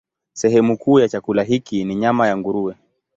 Sehemu kuu ya chakula hiki ni nyama ya nguruwe.